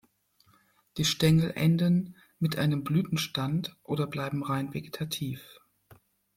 Die Stängel enden mit einem Blütenstand oder bleiben rein vegetativ.